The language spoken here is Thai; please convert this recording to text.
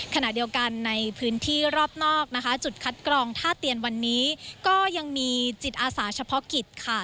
ขณะเดียวกันในพื้นที่รอบนอกนะคะจุดคัดกรองท่าเตียนวันนี้ก็ยังมีจิตอาสาเฉพาะกิจค่ะ